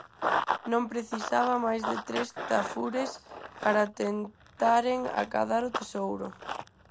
Non precisaba máis de tres tafures para tentaren acadar o tesouro.